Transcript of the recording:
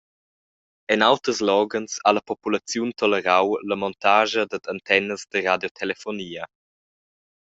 En auters loghens ha la populaziun tolerau la montascha dad antennas da radiotelefonia.